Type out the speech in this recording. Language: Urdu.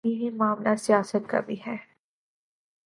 یہی معاملہ سیاست کا بھی ہے۔